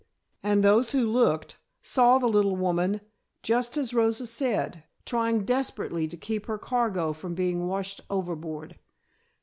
And those who looked saw the little woman just as Rosa said, trying desperately to keep her cargo from being washed overboard.